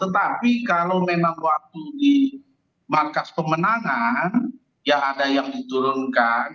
tetapi kalau memang waktu di markas pemenangan ya ada yang diturunkan